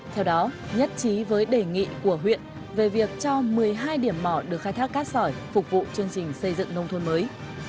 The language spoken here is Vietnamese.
theo đó nhất trí với đề nghị của huyện về việc cho một mươi hai điểm mỏ được khai thác cát sỏi phục vụ chương trình xây dựng nông thôn mới